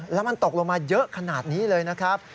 แล้วมันตกลงมาเยอะขนาดนี้เลยนะครับ